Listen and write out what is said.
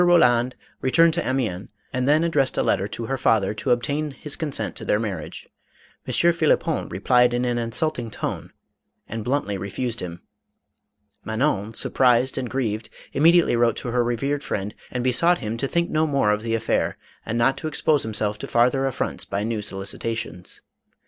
Roland returned to Amiens and then addressed a letter to her father to ob tain his consent to their marriage. M. Phlippon re plied in an insulting tone and bluntly refused him. Manon surprised and grieved, immediately wrote to her revered friend and besought him to think no more of the affair, and not to expose himself to farther affronts by new solicitations.